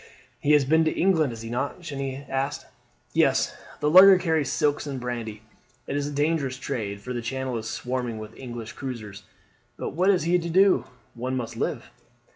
"He has been to England, has he not?" Jeanne asked. "Yes; the lugger carries silks and brandy. It is a dangerous trade, for the Channel is swarming with English cruisers. But what is he to do? One must live."